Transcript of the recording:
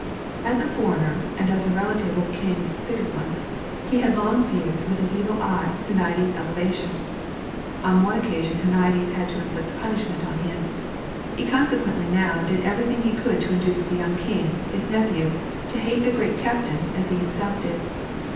As a foreigner and as a relative of King Sigismund, he had long viewed with an evil eye Huniades' elevation. On one occasion Huniades had to inflict punishment on him. He consequently now did everything he could to induce the young king, his nephew, to hate the great captain as he himself did.